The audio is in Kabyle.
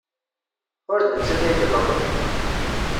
Ur d nettat ay iḍelmen.